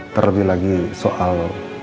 terlebih lagi soal